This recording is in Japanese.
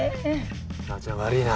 母ちゃん悪いな。